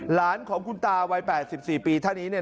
หลานของคุณตาวัย๘๔ปีท่านนี้เนี่ย